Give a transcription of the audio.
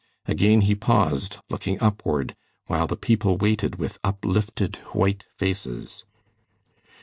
Again he paused, looking upward, while the people waited with uplifted white faces.